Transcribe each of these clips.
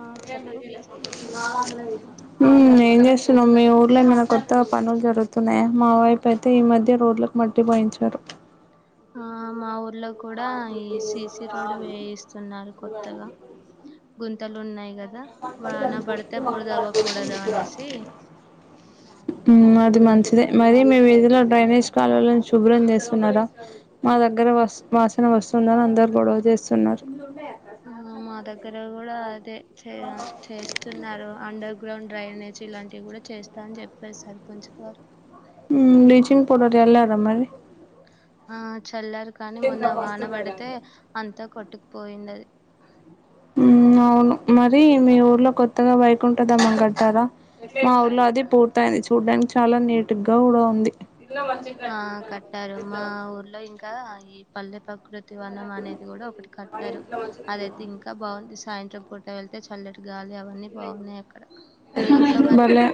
ఆ చెప్పు ఉమ్మ్ ఏం చేస్తున్నావ్ మీ ఊర్లో ఏమన్నా కొత్తగా పనులు జరుగుతున్నాయా మా వైపైతే ఈ మధ్య రోడ్లకు మట్టి పోయించారు అ మా ఊర్ ఉల్లో కూడా ఈ సీ సీ రోడ్ వేయిస్తున్నారు కొత్తగా గుంతలున్నాయి కదా వాన పడితే బుడదవ్వకూడదు అనేసి చిదే మరి మీ వీధిలో డ్రైనేజ్ కాలువలను శుభ్రం చేస్తున్నారా మా దగ్గర వస్ వాసన వస్తుందని అందరు గొడవ చేస్తున్నారు ఉమ్మ్ మా దగ్గర కూడా చేయా చేస్తున్నారు అండ గ్రౌండ్ డ్రైనేజ్ ఇలాంటివి కూడా చేస్తా అని చెప్పా సర్పంచ్ గారు ఉమ్మ్ బ్లీచింగ్ పౌడర్ జల్లారా మరిరి ఆ చ్ చల్లారు కానీ మొన్న వానబడితే అంతా కొట్టు పోయిందది ఉమ్మ్ అవును మరి మీ ఊర్లో కొత్తగా వై కుంట దంగం పెడ్తారా మా ఊర్లో అది పూ తాది చూడ్డానికి చాలా నీట్ గా కూడా ఉంది ఆ కట్టారు మా ఊర్లో ఇంకా ఈ పల్లె ప కృతి వనం అనేది కూడా ఒకటి కట్టారు అదయితే ఇంకా బావుంది సాయంత్రం పూట వెళ్తే చల్లటి గాలి అవన్నీ బాగున్నాయి అక్కడ మీ ఊర్లో మరి భలే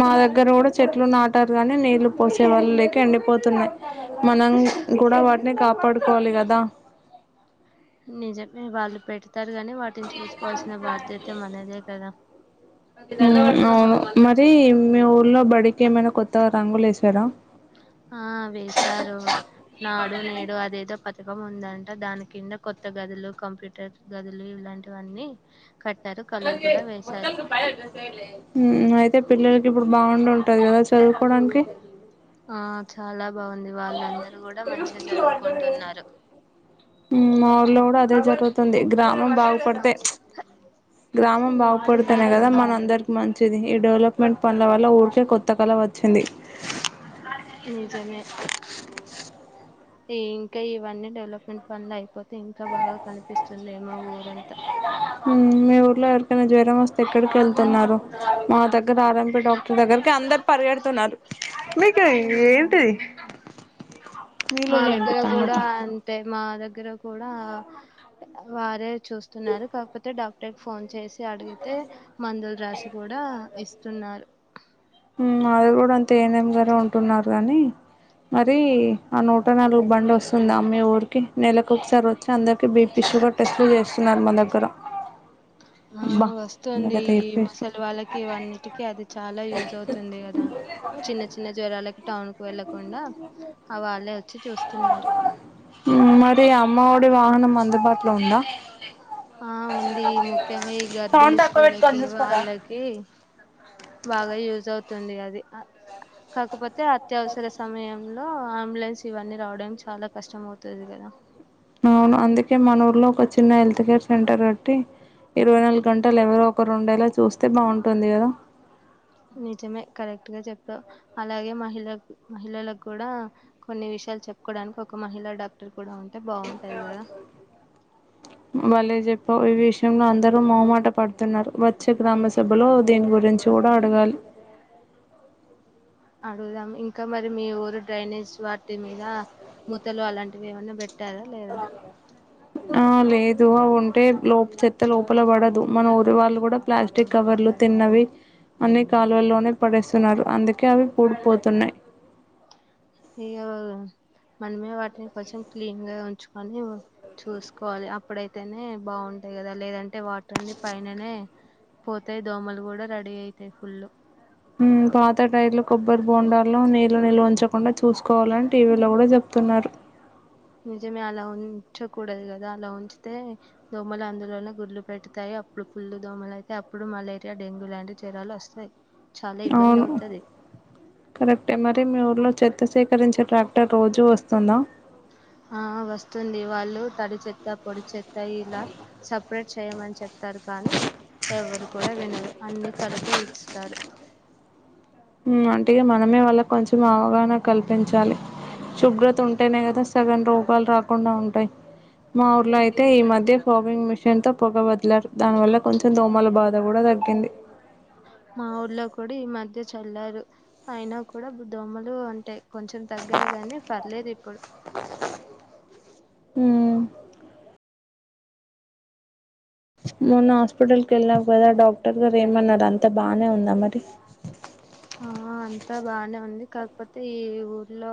మా దగ్గర కూడా చెట్ లు నాటారు గాని నీళ్లు పోసే వాళ్లులేక ఎండి పోతున్నాయ్ మనం కూడా వాటిని కాపాడుకోవాలి గదా నిజమే వాళ్ళు పెడు తారు గాని వాటిని చూసుకోవాల్సిన బాధ్యత మనదే కదా హ్మ్ అవును మ అది మీ ఊర్లో బడికి ఏమైనా కొత్తగా రంగులు ఏసారా ఆ వేసారు నాడు నేడు అదేదో ప థకం ఉందంట దాని కింద కొత్త గదులు కంప్యూటర్ గదులు ఇలాంటివన్నీ కట్టారు కలర్ కూడా వేశారు హ్మ్ అయితే పిల్లలకి ఇప్పుడు బాగుండు ఉంటది కదా చదువుకోవడానికి ఆ చాలా బాగుంది వాళ్ళందరూ కూడా మంచిగా చదువుకుంటున్నారు మా ఊర్లో గూడా అదే జరుగుతుంది గ్రామం బాగుపడితే గ్రామం బాగుపడుతేనే కదా మన అందరికి మంచిది ఈ డెవలప్మెంట్ పనుల వల్ల ఊరికే కొత్త కళ వచ్చింది నిజమే ఇంకా ఇవన్నీ డెవలప్మెంట్ ఫన్లు అయిపోతే ఇంకా బాగా కనిపిస్తుందమో ఊరంతా మీ ఊర్లో ఎవరికన్నా జ్వ మస్త ఎక్కడికి వెళ్తున్నారు మా దగ్గర ఆర్ అం పి డాక్టర్ దగ్గరకి అందరు పరిగెడుతున్నారు మా దగ్గర కూడా అంటే మా దగ్గర కూడా వారే చూస్తున్నారు కాకపోతే డాక్టర్ క ఫోన్ చేసి అడిగి ఇస్తున్నారు హ్మ్ అది గూడా అంతే ఏనే ర ఉంటున్నారు గానీ మరి ఆ నూట నాలుగు బండి వస్తుంది ఆ మీ ఊరికి నెలకు ఒకసారి వచ్చి అందరికి బీపీ షుగర్ టెస్ట్లు జేస్తున్నారు మా దగ్గర ఆ అబ్బా వస్తుంది ఎందుకైతే ఈ చెప్పేసి ముసలి వాళ్ళకి ఇవన్నిటికి అది చాలా యుజ్ అవుతుంది కదా చిన్న చిన్న జ్వరాలకి టౌన్ వెళ్ళకుండా ఆ వాళ్ళే వచ్చి చూస్తున్నారు మరి అమ్మఒడి వాహనం అందుబాటులో ఉందా ఆ ఉంది ముఖ్యంగా ఈ సౌండ్ గర్భిణీ తక్కువ పెట్టు స్ట్రీలకి వాళ్ళకి బాగా యుజ్ అవు తుంది అది కాకపో తే అత్యవసర సమయం లో అంబులెన్స్ ఇవన్నీ రావడానికి చాలా కష్టం అవుతది కదా అవును అందుకే మన ఊర్లో ఒక చిన్న హె త్ కేర్ సెంటర్ గట్టి ఇరవై నాలుగు గంటలు ఎవరో ఒకరు ఉండేలా చూస్తే బాగుంటుంది కదా నిజమే కరెక్ట్ గా చెప్పావ్ అలాగే మహిళ మహిళలకు కూడా కొన్ని విషయాలు చెప్పుకోవడానికి ఒక మహిళ డాక్టర్ కూడా ఉంటే బాగుంటది కదా బలే చెప్పావ్ లో అందరూ మోమాట పడుతున్నారు వచ్చే గ్రామ సభలో దీని గురించి కూడా అడగాలి అడుగుదాం ఇంకా మరి మీ ఊరు డ్రైనేజ్ వాటి మీద ముతలు అలాంటివి ఏమన్నా పెట్టారా లేదా ఆ లేదు అవి ఉంటే లోప చెత్త లోపల పడదు మన ఊరి వాళ్ళు కూడా ప్లాస్టిక్ కవర్లు తిన్నవి అన్ని కాలువలోనే పడేస్తున్నారు అందుకే అవి పూడిపోతున్నాయి ఇక మనమే వాటిని కొంచెం క్లీన్ గా ఉంచుకొని చూసుకోవాలి అప్పుడైతేనే బాగుంటాయి కదా లేదంటే వాటర్ని పైననే పోతాయి దోమలు కూడా రెడీ అయితాయి ఫుల్ ఉ పాత టైర్లు కొబ్బరి బోండాల్లో నీళ్ళ నిల్ ఉంచకుండా చూసుకోవాలని టీవీలో కూడా చెప్తున్నారు నిజమే అలా ఉంచకూడదు కదా అలా ఉంచితే దోమలు అందులోనే గుడ్లు పెడతాయి అప్పుడు ఫుల్ దోమలు అయితే అప్పుడు మలేరియా డెంగ్యూ లాంటి జరాలు వస్తాయి చాలా ఇబ్బంది అవును అవుతది కరెక్టే మరి మీ ఊర్లో చెత్తశే కరంచ ట ఆ వస్తుంది వాళ్ళు తడి చె పొడిచే ఇలా సపరేట్ చెయమని చెప్పి తారు కానీ ఎవరు కూడా వినరు అన్ని కలిపి ఉపే ఇస్తారు అంటగా మనమే వాళ్ల కొంచెం అవగాహన కల్పించాలి శుభ్రత ఉంటేనే కదా సగ రోగాలు రాకుండా ఉంటాయి మా ఊర్లో అయితే ఈ మధ్య ఫోగింగ్ మిషన్ తో పొగ వదిలారు దాని వల్ల కొంచెం దోమల బాధ కూడా తగ్గింది మా ఊర్లో కూడా ఈ మధ్య చల్లారు అయినా కూడా దోమలు ఉంటాయి కొంచెం తగ్గాయి గానీ పర్లేదు ఇప్పుడు ఉ మొన్న హాస్పిటల్కి వెళ్ళావు కదా డాక్టర్ గారు ఏమన్నారు అంత బానే ఉందా మరి ఆ అంతా బానే ఉంది కాకపోతే ఈ ఊర్లో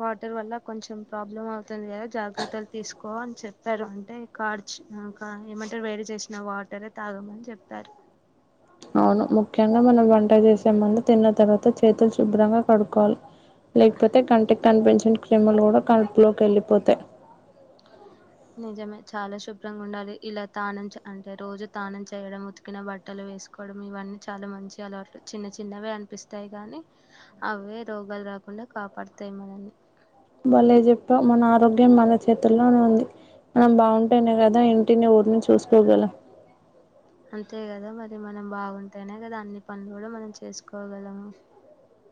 వాటర్ వల్ల కొంచెం ప్రాబ్లం అవుతుంది కదా జాగ్రత్తలు తీసుకో అని చెప్పారు అంటే కార్చ ఏమంటారు వేడి చేసినా వాటరే తాగమని చెప్పారు అవును ముఖ్యంగా మనం వంట జేసే ముందు తిన్న తర్వాత చేతులు శుభ్రంగా కడుక్కవాలి లేకపోతే కంటికి కనిపించిన క్రీములు కూడా కడుపులోకి వెళ్ళిపోతాయి నిజమే చాలా శుభ్రంగా ఉండాలి ఇలా తానం అంటే రోజు తానం చేయడం ఉతికిన బట్టలు వేసుకోవడం ఇవన్నీ చాలా మంచి అలవాట్ చిన్న చిన్నవే అనిపిస్తాయి కాగానీ అవే రోగాలు రాకుండా కాపాడతాయి మనల్ని బలే చెప్పవ్ మన ఆరోగ్యం మన చేతుల్లోనే ఉంది మనం బాగుంటేనే కదా ఇంటిని ఊరిని చూసుకోగల అంతే కదా మరి మనం బాగుంటేనే కదా అన్ని పనులు కూడా మనం చేసుకోగలము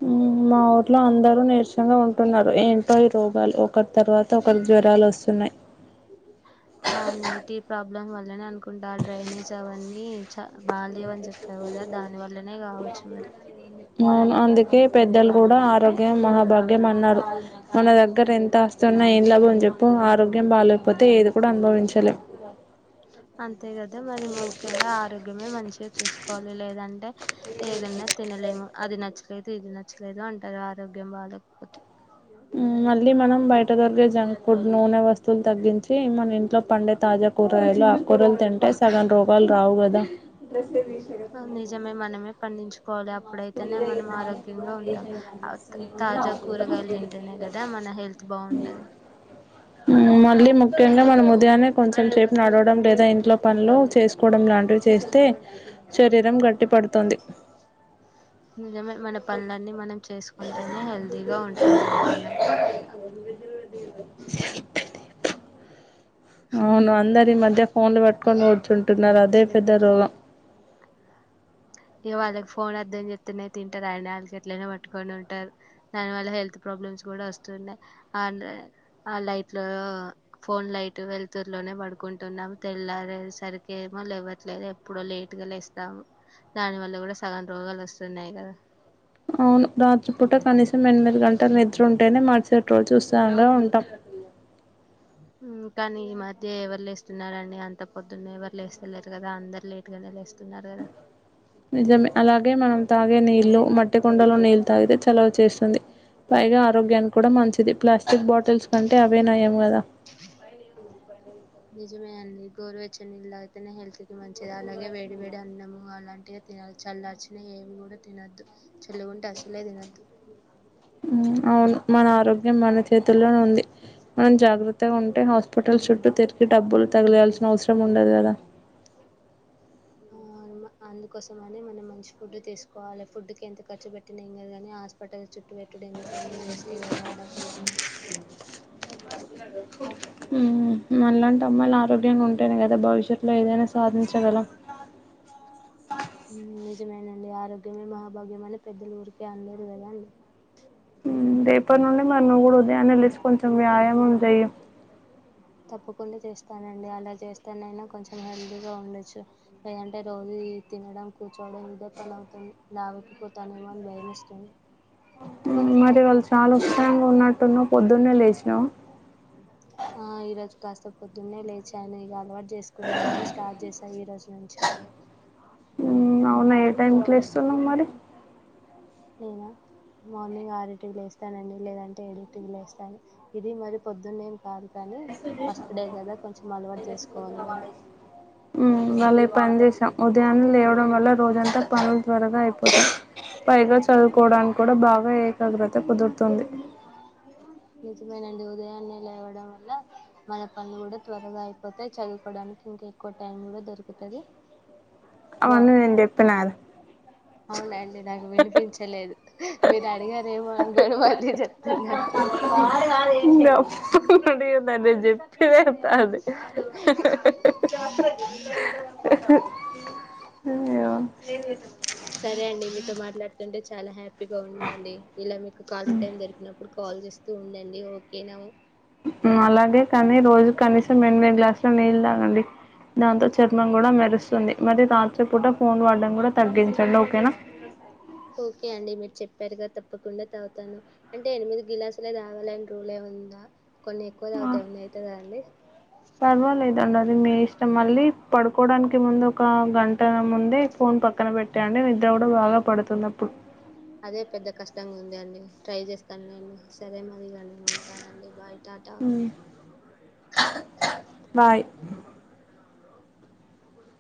ఉ మా ఊట్లో అందరూ నీరసంగా ఉంటున్నారు ఏంటో ఈ రోగాలు ఒకరి తర్వాత ఒకరు జ్వరాలు వస్తున్నాయి ని అనుకుంటా ఆ డ్రైనేజ్ అవన్నీ చ బాలదేవ్ అని చెప్పావు కదా దాని వల్లనే కావచ్చు మరి అవును అందుకే పెద్దలు కూడా ఆరోగ్యం మహాభాగ్యం అన్నారు మన దగ్గర ఎంత ఆస్తున్నా ఏం లాభం జెప్పు ఆరోగ్యం బాగలేకపోతే ఏదు అంతే కదా మరి ముఖ్యంగా ఆరోగ్యమే మంచి చూసుకోవాలి లేదంటే ఏదన్నా తినలేము అది నచ్చలేదు ఇది నచ్చలేదు అంటారు ఆరోగ్యం బాధపోతే మళ్ళీ మనం బయట దొరిగే జంక్ ఫుడ్ నూనె వస్తువులు తగ్గించి మన ఇంట్లో పండే తాజా కూరగాయలు కూరలు తింటే సగం రోగాలు రావు గదా ద విశరత్ నిజమే మనమే పండించుకోవాలి అప్పుడైతేనే మనం ఆరోగ్యంగా ఉంటాం ఆ త- తాజా కూరగాయలు తింటేనే కదా మన హెల్త్ బాగుంటది మళ్ళీ ముఖ్యంగా మనం ఉదయానే కొంచెం సేపు నడవడం లేదా ఇంట్లో పనులు చేసుకోవడం లాంటివి చేస్తే శరీరం గట్టి పడుతుంది నిజమే మన పనులన్నీ మనం చేసుకుంటేనే హెల్దీగా ఉంటాం కదా మనం [inaudible] అవును అందరూ ఈ మధ్య ఫోన్లు పట్టుకొని కూర్చో టున్నారు అదే పెద్ద రోగం ఇక వాళ్ళకి ఫోన్ అర్థం చెప్తేనే తింటారు ఆని వాళ్ళకి ఎట్లనా పట్టుకొని ఉంటారు దానివల్ల హెల్త్ ప్రాబ్లమ్స్ కూడా వస్తున్నాయి అ ఆ లైట్ లో ఫోన్ లైట్ వెలుతురులోనే పడుకుంటున్నాము తెల్లారే సరికేమో లేవ్వట్లేదు ఎప్పుడో లేట్ గా లేస్తాము దాని వల్ల కూడా సగం రోగాలు వస్తున్నాయి కదా అవును రాత్రిపూట కనీసం ఎనిమిది గంటలు నిద్ర ఉంటేనే మరుసటి రోజు హుషారుగా ఉంటాం ఉమ్ కానీ ఈ మధ్య ఎవరు లేస్తున్నారండి అంత పొద్దున్నే ఎవరు లేస్తలేరు కదా అందరు లేటుగానే లేస్తు నిజమే అలాగే మనం తాగే నీరు ఇళ్లు మట్టి కొండలో నీళ్ళ తాగితే చలవ చేస్తుంది పైగా ఆరోగ్యానికి కూడా మంచిది ప్లాస్ ప్లాస్టిక్ బాటిల్స్ కంటే అవే నయాం కదా [inaudible] నిజమే అండి గోరువెచ్చని నీళ్ళు తాగితేనే హెల్త్ కి మంచిది అలాగే వేడివేడి అన్నము అలాంటివే తిన్నాలి చల్లార్చిన ఏవి కూడా తినొద్దు చల్లగుంటే అసలే తినొద్దు ఉమ్ అవును మన ఆరోగ్యం మన చేతుల్లోనే ఉంది మనం జాగ్రత్తగా ఉంటే హాస్పిటల్ చుట్టూ తిరిగి డబ్బులు తగలేయాల్సిన అవసరం ఉండదు కదా ఆ అన్న అందుకోసమనే మనం మంచి ఫుడ్ తీసుకోవాలి ఫుడ్ కి ఎంత ఖర్చు పెట్టినా ఎం కాదు కానీ హాస్పిటల్ చుట్టు పెట్టుడు ఎందుకండి వేస్టే ఏ కదా ఆ డబ్బులన్నీ ఉమ్ మళ్ళా అంటే అమ్మాయిలు ఆరోగ్యంగా ఉంటానే కదా భవిష్యత్లో ఏదైనా సాధించగలం నిజమేనండి ఆరోగ్యమే మహాభాగ్యమ అని పెద్దలు ఊరికే అనలేరు కదా అండి ఉమ్ రేపటి నుండి మరి నువ్వు కూడా ఉదయాన్నే లేసి కొంచెం వ్యాయామం చెయ్యి తప్పకుండా చేస్తానండి అలా చేస్తానైనా కొంచెం హెల్తీగా ఉండొచ్చు లేదంటే రోజు ఇ తినడం కూర్చోవడం ఇదే పని అవుతుంది లావేకిపోతానేమో అని భయం వేస్తుంది మరి ఇవాళ్ళు చాలా ఉత్సాహంగా ఉన్నట్టున్నావ్ పొద్దున్నే లేచినావా ఆ ఈ రోజూ కాస్త పొద్దున్నే లేచాను ఇక అలవాటు చేసుకుందామని స్టార్ట్ చేశా ఈ రోజు నుంచి అవునా ఏ టైం కి లేస్తున్నావ్ మరి నేనా మార్నింగ్ ఆరు ఇంటికి లేస్తానండి లేదంటే ఏడు ఇంటికి లేస్తాను ఇది మరి పొద్దున్నేం కాదు కానీ ఫస్ట్ డే కదా కొంచెం అలవాటు చేసుకోవాలి కదా ఉమ్ వాళ్ళ పని చేశాం ఉదయాన్నే లేవడం వల్ల రోజంతా పనులు త్వరగా అయిపోతయి పైగా చదువుకోవడానికి కూడా బాగా ఏకాగ్రత కుదురుతుంది నిజమే నండి ఉదయాన్నే లేవ్వడం వల్ల మన పని కూడా త్వరగా అయిపోతాయి చదువుకోవడానికి ఇంకా ఎక్కువ టైం కూడా దొరుకుతది బా అవన్నీ నేను చెప్పినా అవునండి నాకు వినిపించలేదు మీరు అడిగారేమో అనుకని మళ్ళీ చెప్తున్నా [unintelligible] చెప్పినా అదే అ అంటే చాలా హ్యాపీ ప్రిపేర్ గా ఉండాలి ఇలా మీకు కాలేజ్ టైం దొరికినప్పుడు కాల్ చేస్త స్తూ ఉండండి ఓకేనా అలాగే కానీ రోజు కనీసం ఏనిమిది గ్లాసులు నీళ్ళు తాగండి దాంతో చర్మం కూడా మెరుస్తుంది మరి రాత్రి పూట ఫోన్ వాడ్డాం కూడా తగ్గించండి ఓకేనా ఓకే అండి మీరు చెప్పారు గా తప్పకుండా తాగుతాను అంటే ఎనిమిది గ్లాసులే తాగాలని రూల్ ఎం ఉందా కొన్ని ఎక్కువ తాగితే ఆ, ఏమన్నా అయితదా అండి దాని డబ్బులు మీ ఇష్టం మళ్ళీ పడుకోవడానికి ముందు ఒక గంట ముందే ఫోన్ పక్కన పెట్టాండి నిద్ర కూడా బాగా పడుతుంది అప్పుడు అదే పెద్ద కష్టంగా ఉంది అండి ట్రై చేస్తాను నండి సరే మరి ఇగ ఉంటానండి బాయ్ టాటా ఉ బాయ్ అ